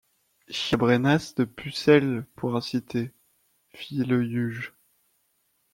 Chiabrenas de pucelle pour inciter ! feit le iuge.